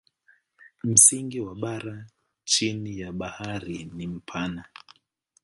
Msingi wa bara chini ya bahari ni mpana.